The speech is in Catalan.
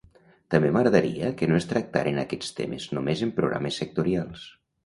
També m’agradaria que no es tractaren aquests temes només en programes sectorials.